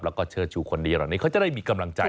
แล้วก็เชิดชูคนดีเหล่านี้เขาจะได้มีกำลังใจ